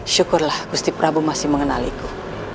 syukurlah gusti prabu masih mengenaliku